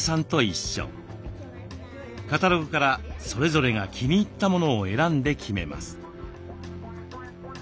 カタログからそれぞれが気に入ったものを選んで決めます。